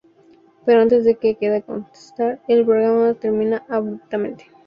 Pero antes de que pueda contestar, el programa termina abruptamente.